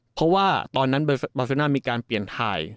เพราะว่าตอนนั้นบาเซน่ามีการเปลี่ยนถ่าย